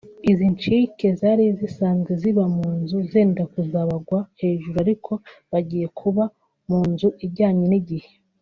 Izi nshike zari zisanzwe ziba mu nzu zenda kuzabagwa hejuru ariko bagiye kuba mu nzu ijyanye n’igihe